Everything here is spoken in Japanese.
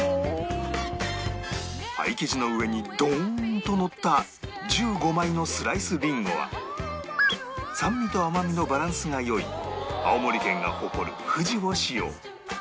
パイ生地の上にドーンとのった１５枚のスライスりんごは酸味と甘みのバランスが良い青森県が誇るふじを使用